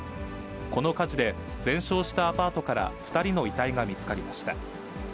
この火事で、全焼したアパートから２人の遺体が見つかりました。